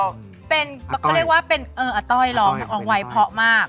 เขาเรียกว่าเป็นเอออาต้อยร้องอองไว้เพราะมาก